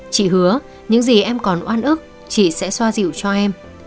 chị hứa những gì em còn oan ức chị sẽ xoa dịu cho em